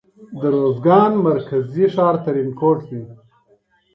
د اروزگان مرکزي ښار ترینکوټ دی.